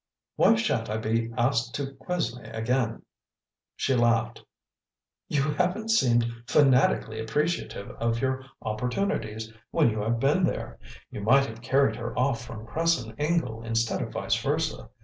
"Why sha'n't I be asked to Quesnay again?" She laughed. "You haven't seemed FANATICALLY appreciative of your opportunities when you have been there; you might have carried her off from Cresson Ingle instead of vice versa.